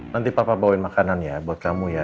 nanti papa bawa makanan buat kamu ya